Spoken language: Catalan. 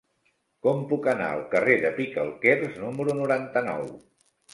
Com puc anar al carrer de Picalquers número noranta-nou?